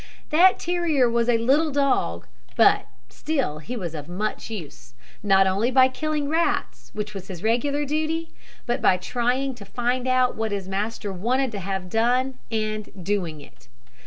That terrier was a little dog, but still he was of much use, not only by killing rats, which was his regular duty, but by trying to find out what his master wanted to have done, and doing it.